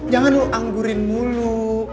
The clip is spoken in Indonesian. jangan lu anggurin mulu